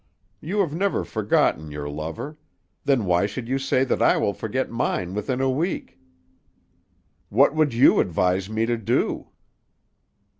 You have never forgotten your lover; then why should you say that I will forget mine within a week? What would you advise me to do?"